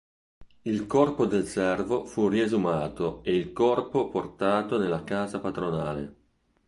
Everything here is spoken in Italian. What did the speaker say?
Il corpo del servo fu riesumato e il corpo portato nella casa padronale.